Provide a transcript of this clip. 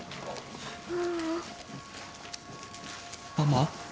ママ？